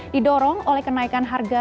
didorong oleh kenaikan harga